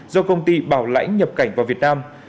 do công ty bảo lãnh nhập cảnh vào việt nam